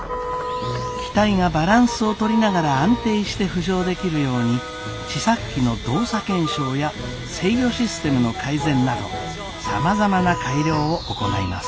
機体がバランスを取りながら安定して浮上できるように試作機の動作検証や制御システムの改善などさまざまな改良を行います。